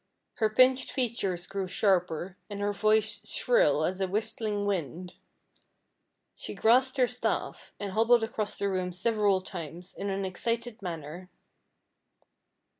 Her pinched features grew sharper, and her voice shrill as the whistling wind. She grasped her staff, and hobbled across the room several times, in an excited manner.